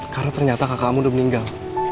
karena ternyata kakakmu udah meninggal